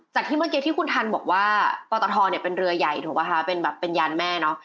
จากที่เมื่อกี้ที่คุณทันบอกว่าปทเป็นเรือใหญ่ถูกปะคะเป็นยานแม่เนาะ